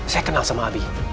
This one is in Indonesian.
saya kenal sama abi